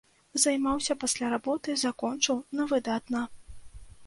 Займаўся пасля работы, закончыў на выдатна.